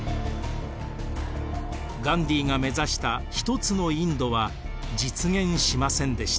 ガンディーが目指した一つのインドは実現しませんでした。